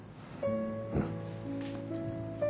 うん。